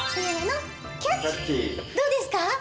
どうですか？